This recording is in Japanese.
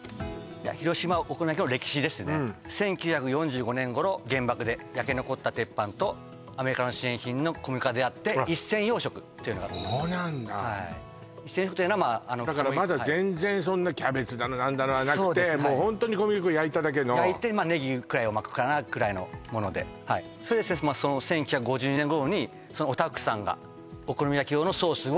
広島お好み焼きの歴史ですね１９４５年ごろ原爆で焼け残った鉄板とアメリカの支援品の小麦粉が出会って「一銭洋食」っていうのがそうなんだだからまだ全然キャベツだの何だのはなくてホントに小麦粉焼いただけの焼いてネギくらいをまくかなくらいのものではい１９５２年ごろにオタフクさんがお好み焼き用のソースを発売